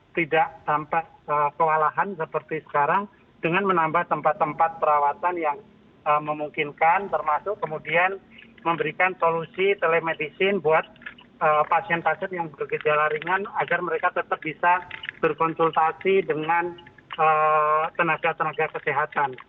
tidak sampai kewalahan seperti sekarang dengan menambah tempat tempat perawatan yang memungkinkan termasuk kemudian memberikan solusi telemedicine buat pasien pasien yang bergejala ringan agar mereka tetap bisa berkonsultasi dengan tenaga tenaga kesehatan